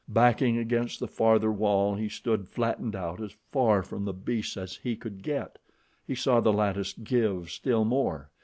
Backing against the farther wall he stood flattened out as far from the beasts as he could get. He saw the lattice give still more.